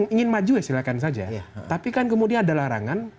ingin maju ya silahkan saja tapi kan kemudian ada larangan